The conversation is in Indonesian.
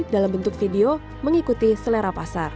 dalam bentuk video mengikuti selera pasar